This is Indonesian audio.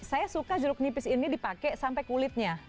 saya suka jeruk nipis ini dipakai sampai kulitnya